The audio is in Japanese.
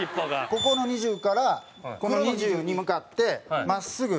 ここの２０からこの２０に向かって真っすぐ。